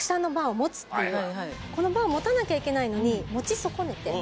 このバーを持たなきゃいけないのに。